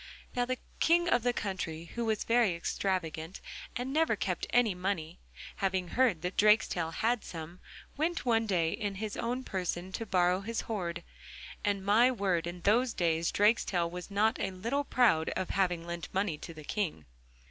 Now the King of the country, who was very extravagant and never kept any money, having heard that Drakestail had some, went one day in his own person to borrow his hoard, and, my word, in those days Drakestail was not a little proud of having lent money to the King.